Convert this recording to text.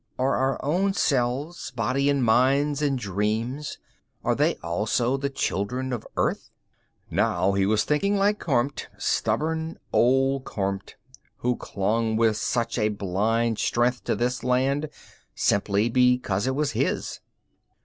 Are our own selves, bodies and minds and dreams, are they also the children of Earth?_ Now he was thinking like Kormt, stubborn old Kormt who clung with such a blind strength to this land simply because it was his.